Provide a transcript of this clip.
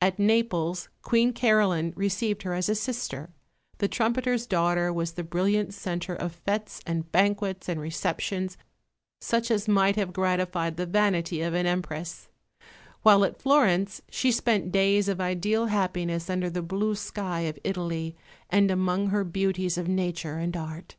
At Naples Queen Caroline received her as a sister; the trumpeter's daughter was the brilliant centre of fêtes and banquets and receptions such as might have gratified the vanity of an Empress: while at Florence she spent days of ideal happiness under the blue sky of Italy and among her beauties of Nature and Art.